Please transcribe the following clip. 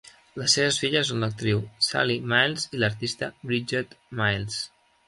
Les seves filles són l'actriu Sally Miles i l'artista Bridget Miles.